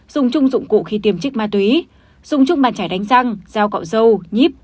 dùng chung dụng cụ khi tiêm trích ma túy dùng chung bàn chải đánh răng dao cọ dâu nhíp